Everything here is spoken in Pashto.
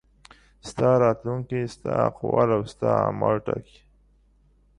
ستا راتلونکی ستا اقوال او ستا اعمال ټاکي.